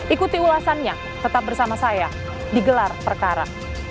ikuti ulasannya tetap bersama saya di gelar perkara